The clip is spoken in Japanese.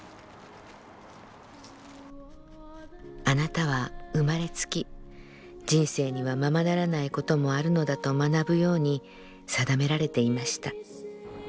「あなたは生まれつき人生にはままならないこともあるのだと学ぶように定められていました。